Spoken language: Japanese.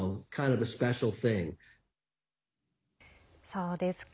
そうですか。